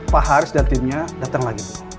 pak haris dan timnya datang lagi bu